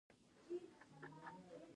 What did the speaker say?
د شیدو راټولولو مرکزونه شته؟